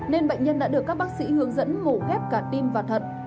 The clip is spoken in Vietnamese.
nên bệnh nhân đã được các bác sĩ hướng dẫn ngủ ghép cả tim và thận